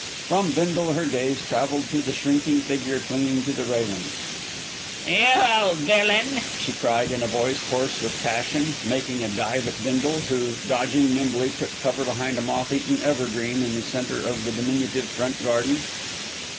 From Bindle her gaze travelled to the shrinking figure clinging to the railings. "You old villain!" she cried, in a voice hoarse with passion, making a dive at Bindle, who, dodging nimbly, took cover behind a moth eaten evergreen in the centre of the diminutive front garden.